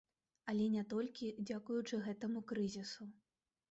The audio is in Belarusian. Але не толькі дзякуючы гэтаму крызісу.